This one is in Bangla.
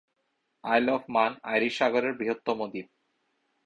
আইল অভ মান আইরিশ সাগরের বৃহত্তম দ্বীপ।